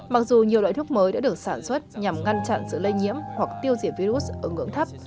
mặc dù nhiều loại thuốc mới đã được sản xuất nhằm ngăn chặn sự lây nhiễm hoặc tiêu diệt virus ở ngưỡng thấp